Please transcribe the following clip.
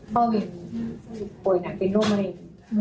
พ่อเวียงป่วยหนักเป็นโรคมะเร็ง